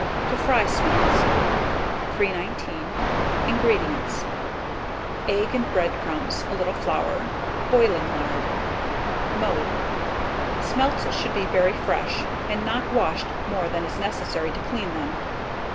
TO FRY SMELTS. 319. INGREDIENTS. Egg and bread crumbs, a little flour; boiling lard. Mode. Smelts should be very fresh, and not washed more than is necessary to clean them.